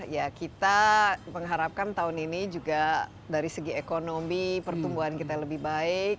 ya kita mengharapkan tahun ini juga dari segi ekonomi pertumbuhan kita lebih baik